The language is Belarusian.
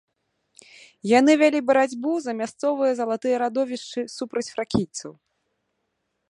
Яны вялі барацьбу за мясцовыя залатыя радовішчы супраць фракійцаў.